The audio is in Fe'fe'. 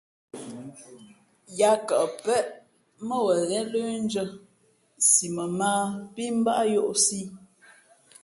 Yáá kαʼ péʼ mά wen ghén lə́ndʉ̄ᾱ si mα mᾱ ā pí mbᾱ á yōʼsī ī.